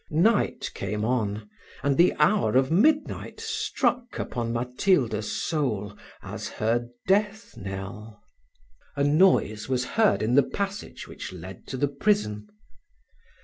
Night came on, and the hour of midnight struck upon Matilda's soul as her death knell. A noise was heard in the passage which led to the prison.